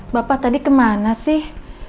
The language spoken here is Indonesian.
bapak tadi kemana sih